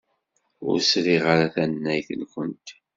Ur sriɣ ara tannayt-nwent.